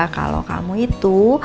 kalau kamu itu